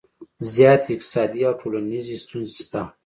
زیاتې اقتصادي او ټولنیزې ستونزې شته